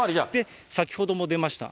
先ほども出ました。